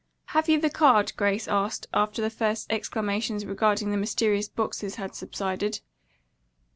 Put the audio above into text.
"Have you the card?" Grace asked, after the first exclamations regarding the mysterious boxes had subsided.